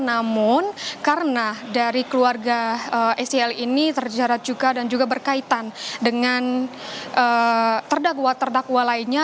namun karena dari keluarga sel ini terjarat juga dan juga berkaitan dengan terdakwa terdakwa lainnya